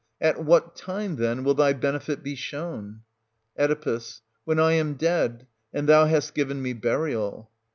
At what time, then, will thy benefit be shown.? Oe. When I am dead, and thou hast given me burial.